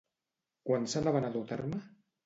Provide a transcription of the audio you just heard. Quan s'anaven a dur a terme?